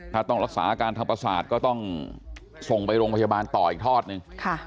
ถ้าต้องรักษาอาการทางประสาทก็ต้องส่งไปโรงพยาบาลต่ออีกทอดหนึ่ง